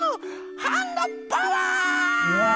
ハンドパワー！